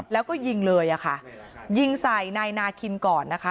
แล้วก็ยิงเลยอะค่ะยิงใส่นายนาคินก่อนนะคะ